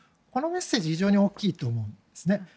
このメッセージは非常に大きいと思うんですね。